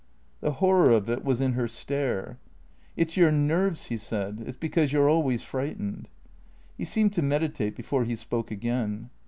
The horror of it was in her stare. " It 's your nerves," he said ;" it 's because you 're always frightened." He seemed to meditate before he spoke again.